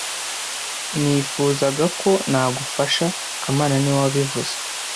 Nifuzaga ko nagufasha kamana niwe wabivuze